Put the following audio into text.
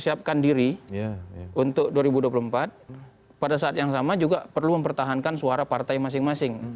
siapkan diri untuk dua ribu dua puluh empat pada saat yang sama juga perlu mempertahankan suara partai masing masing